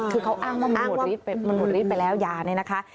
คือเขาอ้างว่ามันหมดรีดไปแล้วยาเนี่ยนะคะ